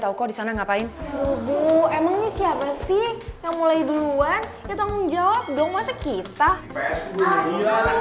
kalau aja arin gak ngomong macem macem ke michelle pasti semua ini gak akan terjadi